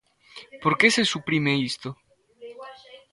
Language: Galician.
¿Por que se suprime isto?